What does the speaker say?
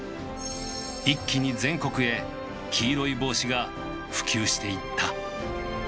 一気に全国へ黄色い帽子が普及していった。